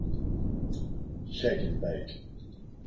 Shake n' Bake.